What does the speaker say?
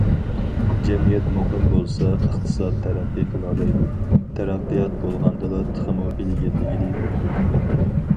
جەمئىيەت مۇقىم بولسا، ئىقتىساد تەرەققىي قىلالايدۇ، تەرەققىيات بولغاندىلا، تېخىمۇ ئىلگىرىلىگىلى بولىدۇ.